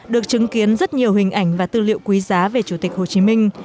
được chứng kiến rất nhiều hình ảnh và tư liệu quý giá về chủ tịch hồ chí minh